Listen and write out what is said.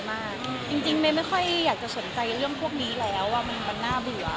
ไม่ค่อยอยากจะสนใจเรื่องพวกนี้แล้วว่ามันมันหน้าเบื่อ